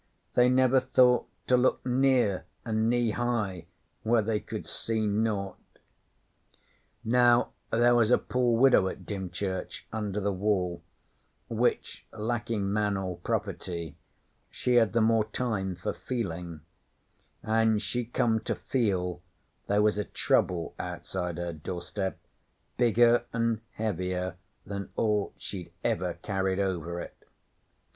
They never thought to look near an' knee high, where they could see naught. 'Now there was a poor widow at Dymchurch under the Wall, which, lacking man or property, she had the more time for feeling; and she come to feel there was a Trouble outside her doorstep bigger an' heavier than aught she'd ever carried over it.